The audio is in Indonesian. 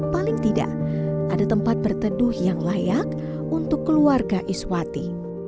paling tidak ada tempat berteduh yang layak untuk keluarga iswati